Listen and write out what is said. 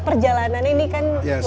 perjalanan ini kan luar biasa